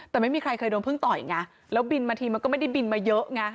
แต่ไม่มีใครเคยโดนพึ่งต่อยไงแล้วบินมาทีมันก็ไม่ได้บินมาเยอะไง